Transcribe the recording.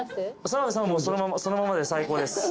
澤部さんはそのままで最高です。